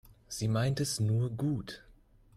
Sie meint es nur gut.